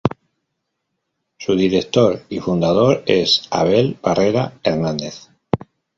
Su director y fundador es Abel Barrera Hernández.